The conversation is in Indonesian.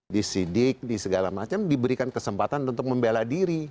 disidik di segala macam diberikan kesempatan untuk membela diri